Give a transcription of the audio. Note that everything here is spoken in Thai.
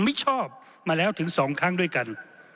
ไม่ชอบมาแล้วถึง๒ครั้งด้วยกัน